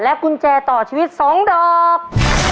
และกุญแจต่อชีวิตสองดอก